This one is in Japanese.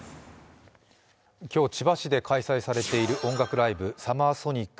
今日、千葉市で開催されている音楽ライブＳＵＭＭＥＲＳＯＮＩＣ